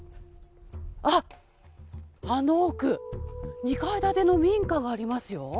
あっ、あの奥、２階建ての民家がありますよ。